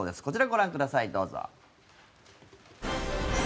こちら、ご覧ください。どうぞ。